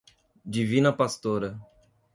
Divina Pastora